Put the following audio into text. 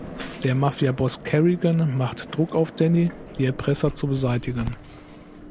Der Mafiaboss Kerrigan macht Druck auf Danny, die Erpresser zu beseitigen.